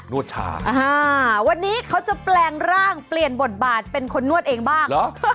วดชาวันนี้เขาจะแปลงร่างเปลี่ยนบทบาทเป็นคนนวดเองบ้าง